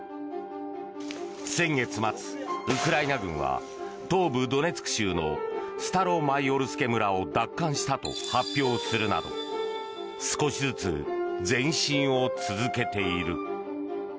先月末、ウクライナ軍は東部ドネツク州のスタロマイオルスケ村を奪還したと発表するなど少しずつ前進を続けている。